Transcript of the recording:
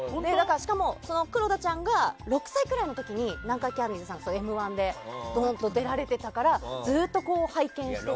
しかも黒田ちゃんが６歳くらいの時に南海キャンディーズさんが「Ｍ‐１」で出られていたからずっと拝見していて。